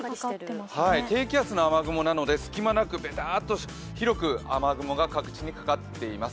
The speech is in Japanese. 低気圧の雨雲なので隙間なく、ベターッと広く広く雨雲が各地にかかっています。